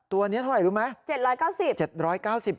ตัวนี้เท่าไหร่รู้ไหม